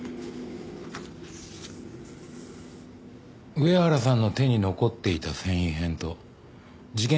上原さんの手に残っていた繊維片と事件